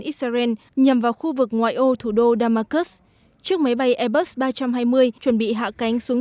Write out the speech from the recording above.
israel nhằm vào khu vực ngoại ô thủ đô damascus chiếc máy bay airbus ba trăm hai mươi chuẩn bị hạ cánh xuống